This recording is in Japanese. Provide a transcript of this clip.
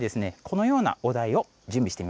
このようなお題を準備してみました。